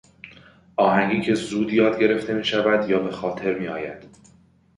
آهنگی که زود یاد گرفته میشود یا به خاطر میآید